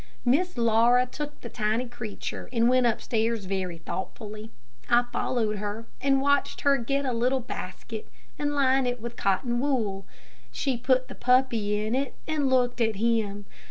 Miss Laura took the tiny creature, and went upstairs very thoughtfully. I followed her, and watched her get a little basket and line it with cotton wool. She put the puppy in it and looked at him.